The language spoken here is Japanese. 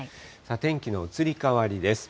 天気の移り変わりです。